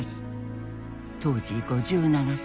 当時５７歳。